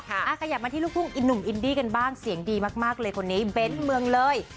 เราขยับมาที่ลูกคู่หนุ่มอินดี้กันบ้างเสียงดีมากคนนี้เบ้นมืองเลย